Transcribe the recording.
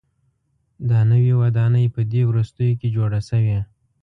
دا نوې ودانۍ په دې وروستیو کې جوړه شوې.